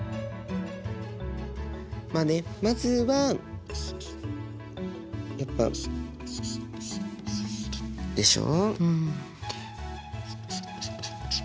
まあねまずはやっぱでしょ。